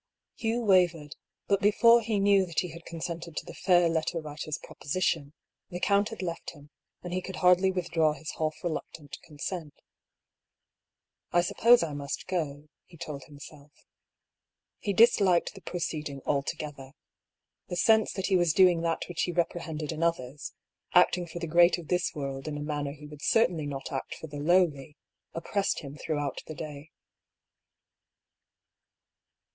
Hugh wavered ; but before he knew that he had con sented to the fair letter writer's proposition, the count had left him, and he could hardly withdraw his half reluctant consent. " I suppose I must go," he told himself. He disliked the proceeding altogether. The sense that he was doing that which he reprehended in others, acting for the great of this world in a manner he would THE BEGINNING OF THE SEQUEL. 169 certainly not act for the lowly, oppressed him through out the day.